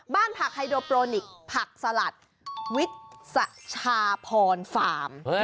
ผักไฮโดโปรนิกผักสลัดวิสชาพรฟาร์ม